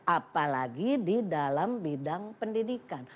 apalagi di dalam bidang pendidikan